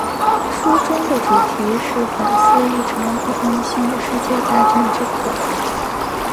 书中的主题是反思一场毁灭性的世界大战之可能。